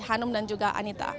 hanum dan juga anita